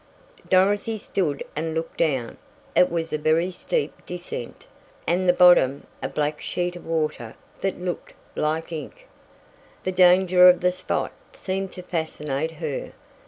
Dorothy stood and looked down. It was a very steep descent, and the bottom, a black sheet of water, that looked like ink. The danger of the spot seemed to fascinate her.